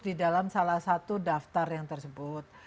di dalam salah satu daftar yang tersebut